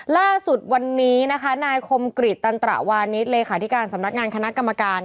ล่าสุดวันนี้นะคะนายคมกริจตันตระวานิสเลขาธิการสำนักงานคณะกรรมการ